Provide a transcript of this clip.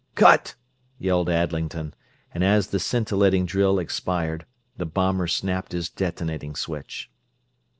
"Cut!" yelled Adlington, and as the scintillating drill expired, the bomber snapped his detonating switch.